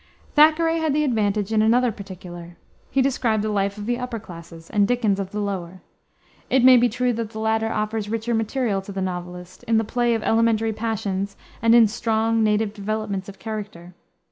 Thackeray had the advantage in another particular: he described the life of the upper classes, and Dickens of the lower. It may be true that the latter offers richer material to the novelist, in the play of elementary passions and in strong, native developments of character.